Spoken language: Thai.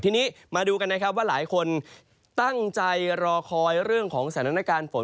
ทีนี้มาดูกันนะครับว่าหลายคนตั้งใจรอคอยเรื่องของสถานการณ์ฝน